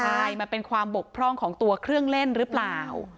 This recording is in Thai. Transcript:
ใช่มันเป็นความบกพร่องของตัวเครื่องเล่นหรือเปล่า